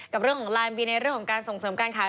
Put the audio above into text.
กับเรื่องของลานบีในเรื่องของการส่งเสริมการขาย